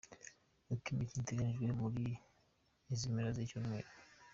Uko imikino iteganyijwe muri izi mpera z’icyumweru:.